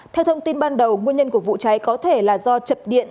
theo thông tin ban đầu nguyên nhân của vụ cháy có thể là do chập điện